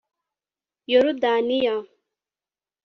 Yorudaniya